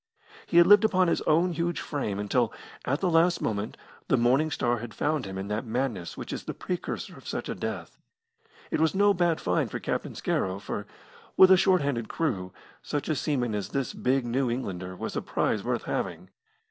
He had lived upon his own huge frame until, at the last moment, the Morning Star had found him in that madness which is the precursor of such a death. It was no bad find for Captain Scarrow, for, with a short handed crew, such a seaman as this big New Englander was a prize worth having.